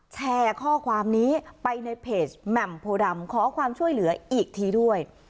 แชร์ข้อความนี้ไปในเพจแหม่มโพดำขอความช่วยเหลืออีกทีด้วย